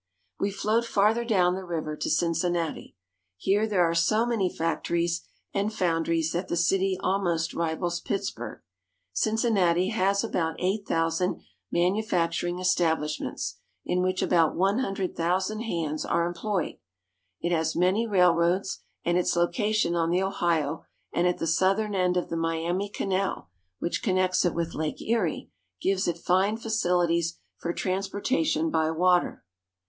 We float farther down the river to Cincinnati. Here there are so many factories and foundries that the city al most rivals Pittsburg. Cincinnati has about eight thousand manufacturing establishments, in which about one hundred thousand hands are employed. It has many railroads, and its location on the Ohio and at the southern end of the Miami Canal, which connects it with Lake Erie, gives it fine facilities for transportation by water.